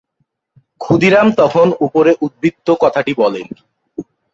ক্ষুদিরাম তখন ওপরে উদ্ধৃত কথাটি বলেন।